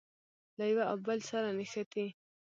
له یوه او بل سره نښتي.